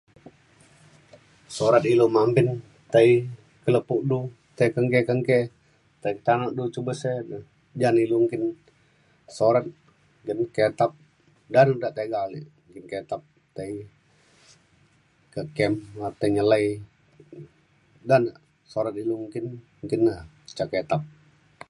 Surat ilu mampin tai ke lepo du tai kenggei kenggei tai ta’an ju ba sek ja ne ilu nggin surat dan kitab da du da tiga ale nggin kitab tai kak kem tai nyelai da na surat ilu nggin nggin na ca kitab